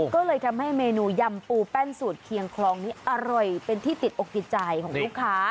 ก็เลยทำให้เมนูยำปูแป้นสูตรเคียงคลองนี้อร่อยเป็นที่ติดอกติดใจของลูกค้า